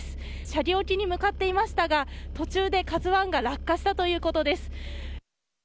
斜里沖に向かっていましたが途中でＫＡＺＵ１が落下したということです。